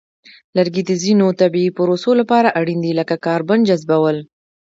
لرګي د ځینو طبیعی پروسو لپاره اړین دي، لکه کاربن جذبول.